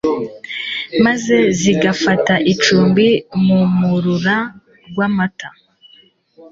maze zigafata icumbi mu mu rura rw'amata